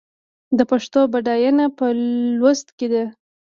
د پښتو بډاینه په لوست کې ده.